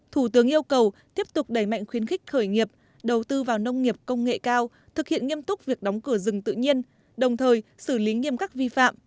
thủ tướng yêu cầu tiếp tục đẩy mạnh khuyến khích khởi nghiệp